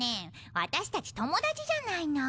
私たち友達じゃないの。